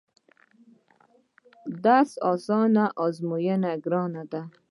درس اسان ازمون يې ګران دی